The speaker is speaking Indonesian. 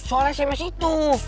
soalnya sms itu